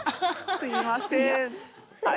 すいません。